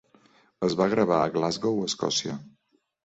Es va gravar a Glasgow, Escòcia.